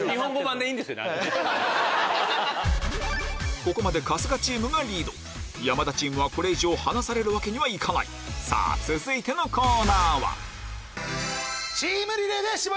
ここまで春日チームがリード山田チームはこれ以上離されるわけにはいかないさぁ続いてのコーナーは？